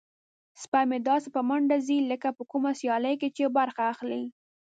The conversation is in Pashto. سپی مې داسې په منډه ځي لکه په کومه سیالۍ کې چې برخه اخلي.